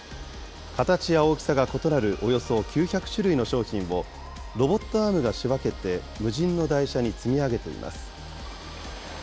形や大きさが異なるおよそ９００種類の商品をロボットアームが仕分けて、無人の台車に積み上げています。